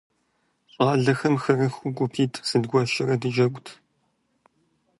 ЩӀалэхэм хырыхыу гупитӀу зыдгуэшурэ дыджэгурт.